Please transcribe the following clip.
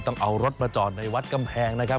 ต้องเอารถมาจอดในวัดกำแพงนะครับ